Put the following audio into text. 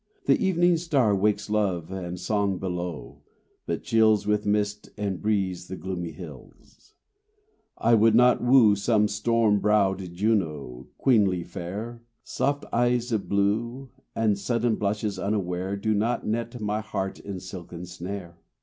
The evening star Wakes love and song below, but chills With mist and breeze the gloomy hills. I would not woo Some storm browed Juno, queenly fair. Soft eyes of blue And sudden blushes unaware Do net my heart in silken snare.